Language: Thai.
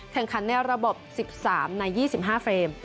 แข่งขันในระบบ๑๓ใน๒๕เฟรม